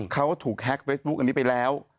เขาถูกแฮ็กเฟซบุ๊คอันนี้ไปแล้ว